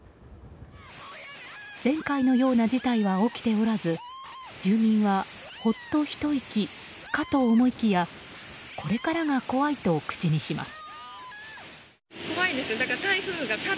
前回のような事態は起きておらず住民はほっとひと息かと思いきやこれからが怖いと口にします。